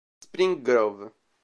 Spring Grove